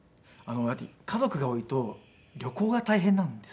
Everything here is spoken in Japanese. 家族が多いと旅行が大変なんですよ。